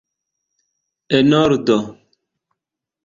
En ordo!